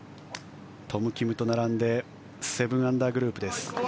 トム・キムと並んで７アンダーグループです。